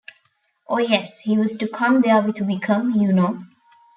Oh, yes! — he was to come there with Wickham, you know.